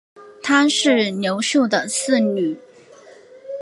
她是刘秀的四女。